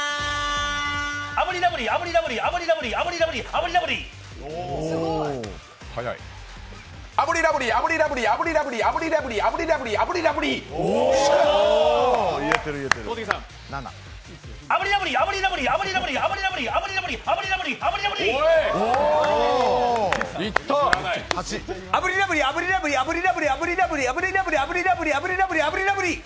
炙りラブリー、炙りラブリー炙りラブリー、炙りラブリー、炙りラブリー炙りラブリー、炙りラブリー、炙りラブリー、炙りラブリー、炙りラブリー、炙りラブリー、炙りラブリー！